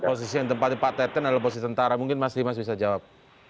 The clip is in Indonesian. posisi yang tempatnya pak teten adalah posisi tentara mungkin mas dimas bisa jawab